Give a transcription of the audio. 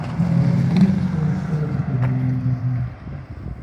За годину ціле село стояло на вигоні.